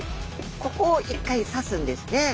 ここを１回刺すんですね。